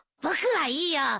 僕はいいよ。